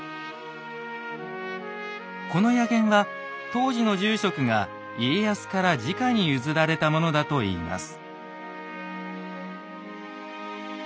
この薬研は当時の住職が家康からじかに譲られたものだといいます。